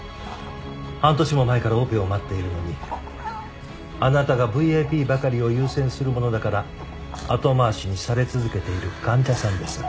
半年も前からオペを待っているのにあなたがＶＩＰばかりを優先するものだから後回しにされ続けている患者さんです。